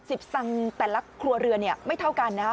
สตังค์แต่ละครัวเรือนเนี่ยไม่เท่ากันนะฮะ